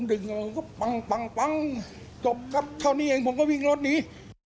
มือผมดึงแล้วก็ปังจบครับเท่านี้เองผมก็วิ่งรถหนี